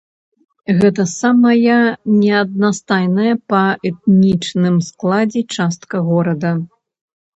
Гэта самая неаднастайная па этнічным складзе частка горада.